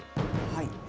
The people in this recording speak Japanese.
はい。